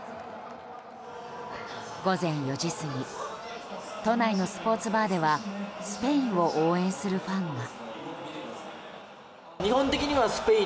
午前４時過ぎ都内のスポーツバーではスペインを応援するファンが。